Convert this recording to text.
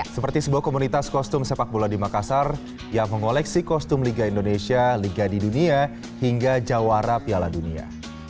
seperti sebuah komunitas kostum sepak bola di makassar yang mengoleksi kostum liga indonesia liga di dunia hingga jawara piala dunia